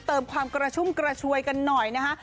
เติมความกระชุ่มกระชวยกันหน่อยนะคะ